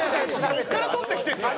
どこから取ってきてるんですか？